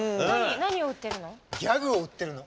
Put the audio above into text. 何を売ってるの？